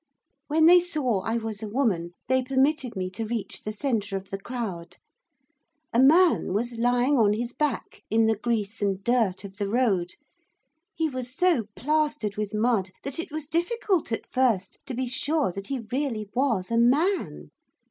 When they saw I was a woman, they permitted me to reach the centre of the crowd. A man was lying on his back, in the grease and dirt of the road. He was so plastered with mud, that it was difficult, at first, to be sure that he really was a man.